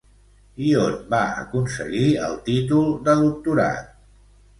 I on va aconseguir el títol de doctorat?